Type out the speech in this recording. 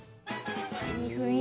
いい雰囲気。